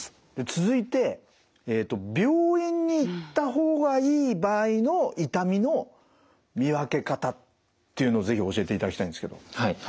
続いて病院に行った方がいい場合の痛みの見分け方というのを是非教えていただきたいんですけど。